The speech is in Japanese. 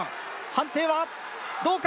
判定はどうか？